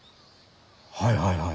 はいはいはい。